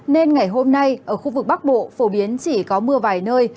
nên ngày hôm nay ở khu vực bắc bộ phổ biến chỉ có mưa vài nơi